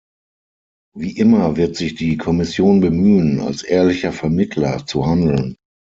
Wie immer wird sich die Kommission bemühen, als ehrlicher Vermittler zu handeln.